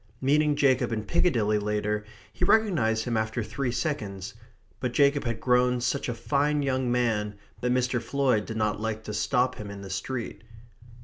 Meeting Jacob in Piccadilly lately, he recognized him after three seconds. But Jacob had grown such a fine young man that Mr. Floyd did not like to stop him in the street.